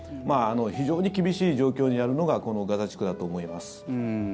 非常に厳しい状況にあるのがこのガザ地区だと思います。